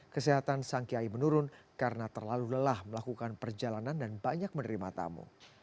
kesehatan sang kiai menurun karena terlalu lelah melakukan perjalanan dan banyak menerima tamu